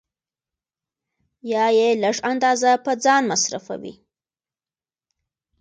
یا یې لږ اندازه په ځان مصرفوي